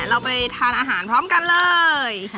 เราไปทานอาหารพร้อมกันเลย